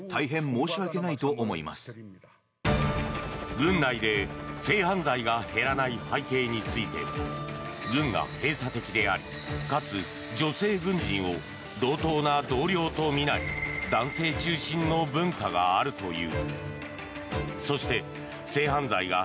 軍内で性犯罪が減らない背景について軍が閉鎖的でありかつ女性軍人を同等な同僚と見ない男性中心の文化があるという。